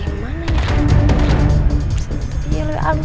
ya kaya jangan gitu